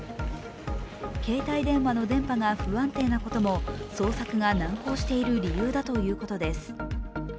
携帯電話の電波が不安定なことも捜索が難航している理由だということです。